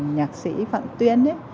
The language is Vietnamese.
nhạc sĩ phạm tuyên